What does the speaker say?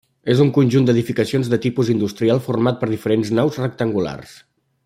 És un conjunt d'edificacions de tipus industrial format per diferents naus rectangulars.